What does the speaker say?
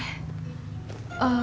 oh ganti mulai deh